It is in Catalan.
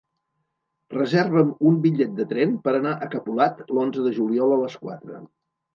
Reserva'm un bitllet de tren per anar a Capolat l'onze de juliol a les quatre.